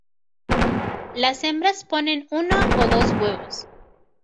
Las hembras ponen uno o dos huevos.